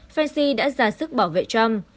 fancy đã ra sức bảo vệ trump